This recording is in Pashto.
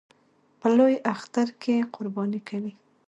په لوی اختر کې قرباني کوي